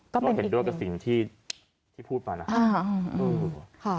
ก็เป็นด้วยกับสิ่งที่พูดมานะ